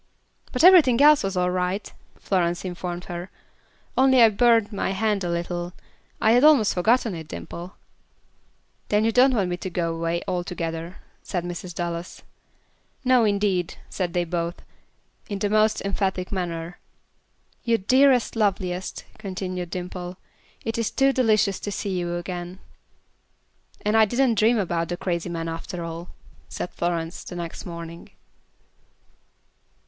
"But everything else was all right," Florence informed her, "only I burned my hand a little. I had almost forgotten it, Dimple." "Then you don't want me to go away, altogether," said Mrs. Dallas. "No indeed," said they both, in the most emphatic manner. "You dearest, loveliest," continued Dimple; "it is too delicious to see you again." "And I didn't dream about the crazy man after all," said Florence, the next morning.